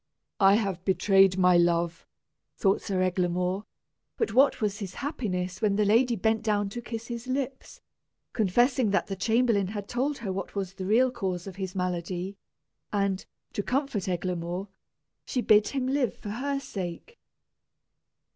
"I have betrayed my love," thought Sir Eglamour; but what was his happiness when the lady bent down to kiss his lips, confessing that the chamberlain had told her what was the real cause of his malady; and, to comfort Eglamour, she bid him live for her sake.